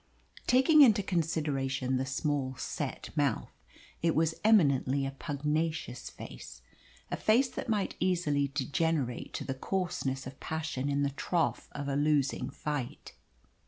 Taking into consideration the small, set mouth, it was eminently a pugnacious face a face that might easily degenerate to the coarseness of passion in the trough of a losing fight.